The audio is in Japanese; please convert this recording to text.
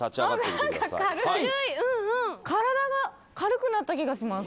何か軽い体が軽くなった気がします